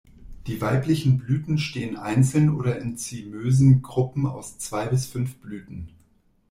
Die weiblichen Blüten stehen einzeln oder in zymösen Gruppen aus zwei bis fünf Blüten.